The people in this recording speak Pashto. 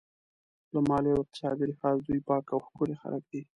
له مالي او اقتصادي لحاظه دوی پاک او ښکلي خلک دي.